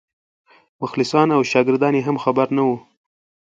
مخلصان او شاګردان یې هم خبر نه وو.